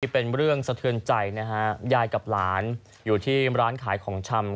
เป็นเรื่องสะเทือนใจนะฮะยายกับหลานอยู่ที่ร้านขายของชำ